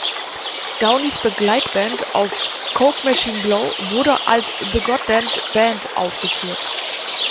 Downies Begleitband auf „Coke Machine Glow“ wurde als „the Goddamned Band“ aufgeführt.